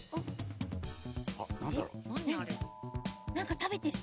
なんかたべてる。